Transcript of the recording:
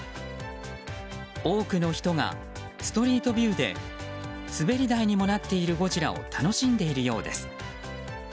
多くの人がストリートビューで滑り台にもなっているゴジラを楽しんでいるようです。